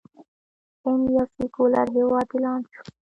هند یو سیکولر هیواد اعلان شو.